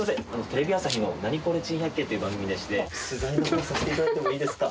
テレビ朝日の『ナニコレ珍百景』という番組でして取材の方させて頂いてもいいですか？